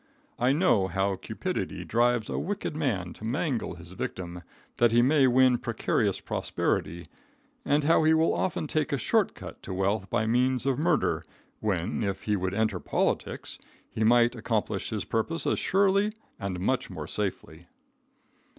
I know how cupidity drives a wicked man to mangle his victim, that he may win precarious prosperity, and how he will often take a short cut to wealth by means of murder, when, if he would enter politics, he might accomplish his purpose as surely and much more safely.